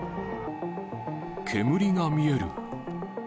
煙が見える。